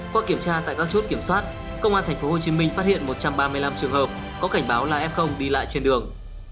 qua kiểm tra tại các chốt kiểm soát công an tp hcm phát hiện một trăm ba mươi năm trường hợp có cảnh báo là f đi lại trên đường